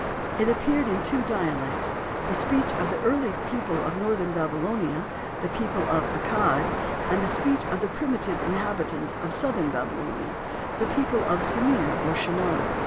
It appeared in two dialects, the speech of the early people of northern Babylonia—the people of Accad—and the speech of the primitive inhabitants of southern Babylonia—the people of Sumir or Shinar.